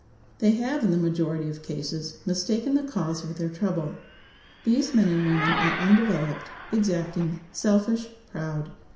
They have, in the majority of cases, mistaken the cause of their trouble. These men and women are undeveloped, exacting, selfish, proud.